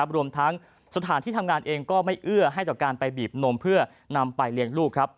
รวมทั้งสถานที่ทำงานเองก็ไม่เอื้อให้ต่อการไปบีบนมเพื่อนำไปเลี้ยงลูก